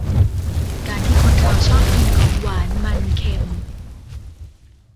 การที่คนเราชอบกินของหวาน มัน เค็ม